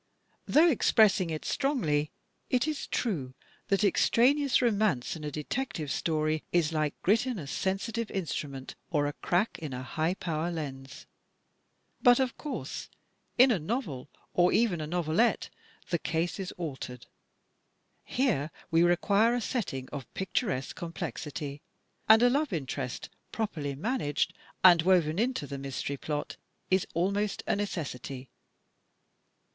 Though expressing it strongly, it is true that extraneous romance in a Detective Story is like grit in a sensitive instru ment, or a crack in a high power lens. But, of course, in a novel or even a novelette the case is altered. Here we require a setting of picturesque complexity. And a love interest, properly managed, and woven into the mystery plot is almost a necessity.